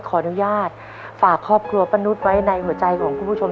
ขออนุญาตฝากครอบครัวป้านุษย์ไว้ในหัวใจของคุณผู้ชม